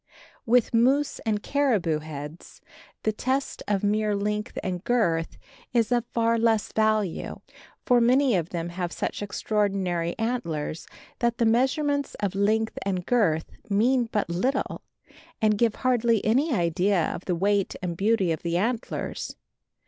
With moose and caribou heads the test of mere length and girth is of far less value; for many of them have such extraordinary antlers that the measurements of length and girth mean but little, and give hardly any idea of the weight and beauty of the antlers.